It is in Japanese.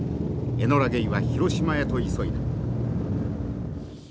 エノラ・ゲイは広島へと急いだ。